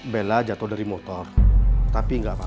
bella jatuh dari motor tapi nggak apa apa